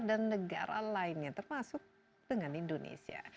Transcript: dan negara lainnya termasuk dengan indonesia